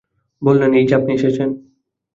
বললেন, এই-যে আপনি এসেছেন!